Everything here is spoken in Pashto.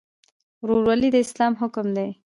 ورورولي د اسلام حکم دی